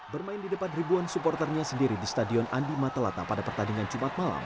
bermain di depan ribuan supporternya sendiri di stadion andi matalata pada pertandingan jumat malam